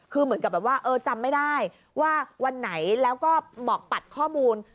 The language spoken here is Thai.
คือเหมือนกับแบบว่าเออจำไม่ได้ว่าวันไหนแล้วก็บอกปัดข้อมูล